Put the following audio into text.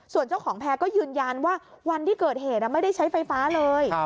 ส่วนเจ้าของแพร่ก็ยืนยันว่าวันที่เกิดเหตุไม่ได้ใช้ไฟฟ้าเลย